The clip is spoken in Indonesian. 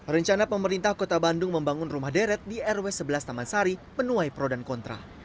rencana pemerintah kota bandung membangun rumah deret di rw sebelas taman sari menuai pro dan kontra